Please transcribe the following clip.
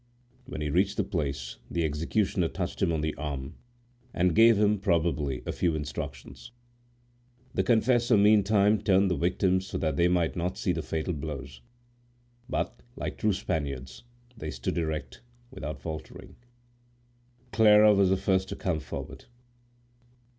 When he reached the place the executioner touched him on the arm and gave him, probably, a few instructions. The confessor, meantime, turned the victims so that they might not see the fatal blows. But, like true Spaniards, they stood erect without faltering. Clara was the first to come forward.